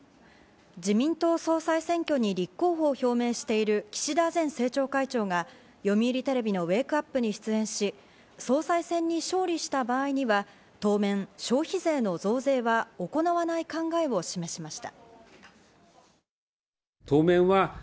自民党総裁選挙に立候補を表明している、岸田前政調会長が読売テレビの『ウェークアップ』に出演し、総裁選に勝利した場合には当面、消費税の増税は行わない考えを示しました。